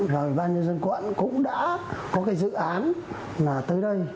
rồi ban nhân dân quận cũng đã có cái dự án là tới đây